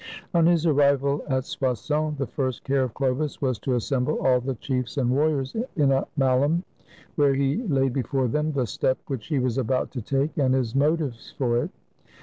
On his arrival at Soissons, the first care of Chlovis was to assemble all the chiefs and warriors in a Mallum, where he laid before them the step which he was about to take, and his motives for it.